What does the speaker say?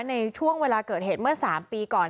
ในช่วงเวลาเกิดเหตุเมื่อ๓ปีก่อน